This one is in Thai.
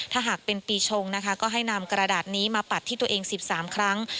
ถ้าหากเป็นปีชงนะคะก็ให้นำกระดาษนี้มาปัดที่ตัวเอง๑๓ครั้ง